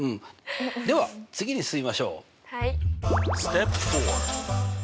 では次に進みましょう。